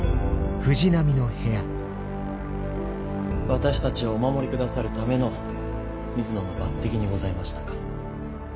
私たちをお守り下さるための水野の抜てきにございましたか。